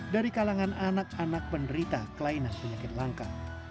dari kalangan anak anak penderita kelainan penyakit langka